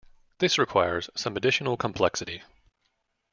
This requires some additional complexity.